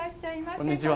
こんにちは。